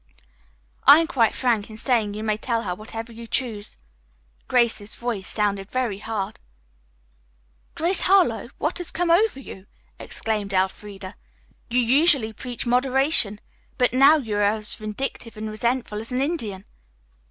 "I am quite frank in saying that you may tell her whatever you choose." Grace's voice sounded very hard. "Grace Harlowe, what has come over you?" exclaimed Elfreda. "You usually preach moderation, but now you are as vindictive and resentful as an Indian."